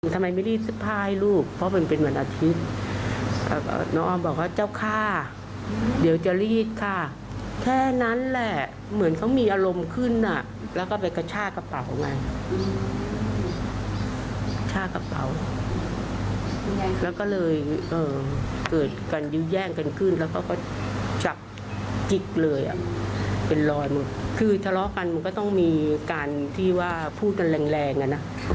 คือทะเลาะกันก็ต้องมีการที่ว่าพูดกันแรงน่ะ